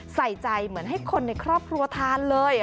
ใส่ใจเหมือนให้คนในครอบครัวทานเลย